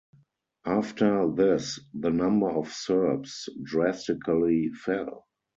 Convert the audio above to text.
After this, the number of Serbs drastically fell.